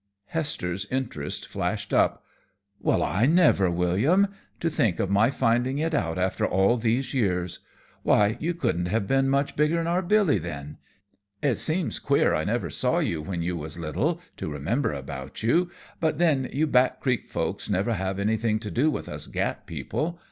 Hester's interest flashed up. "Well, I never, William! To think of my finding it out after all these years! Why, you couldn't have been much bigger'n our Billy then. It seems queer I never saw you when you was little, to remember about you. But then you Back Creek folks never have anything to do with us Gap people.